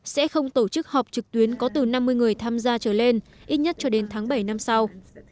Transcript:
sẽ không tổ chức họp trực tuyến có từ năm mươi người tham gia trở lên ít nhất cho đến tháng bảy năm sau